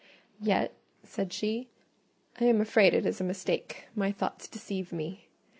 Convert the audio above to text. "Yet," said she, "I am afraid it is a mistake: my thoughts deceive me.